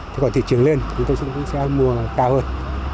thế còn thị trường lên thì chúng tôi cũng sẽ mua cao hơn